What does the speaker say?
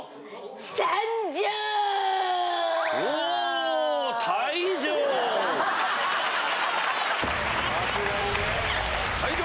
・さすがにね・退場！